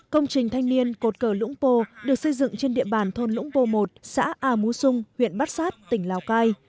công trình thanh niên cột cờ lũng pô được xây dựng trên địa bàn thôn lũng pô một xã a mú xung huyện bát sát tỉnh lào cai